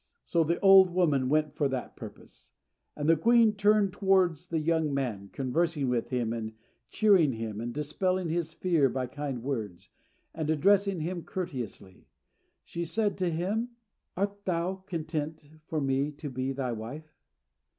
So the old woman went for that purpose. And the queen turned towards the young man, conversing with him and cheering him, and dispelling his fear by kind words; and, addressing him courteously, she said to him, "Art thou content for me to be thy wife?"